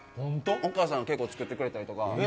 お母さんが結構作ってくれたりとか。